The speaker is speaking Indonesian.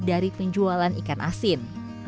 dari penjualan ikan asin